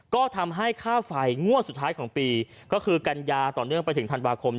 ก็ทำให้ค่าไฟงวดสุดท้ายของปีก็คือกัญญาต่อเนื่องไปถึงธันวาคม